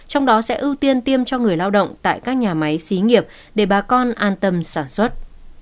trong đó sẽ ưu tiên tiêm cho người lao động tại các nhà máy xí nghiệp để bà con an tâm sản xuất